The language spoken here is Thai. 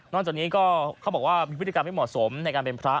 จากนี้ก็เขาบอกว่ามีพฤติกรรมไม่เหมาะสมในการเป็นพระ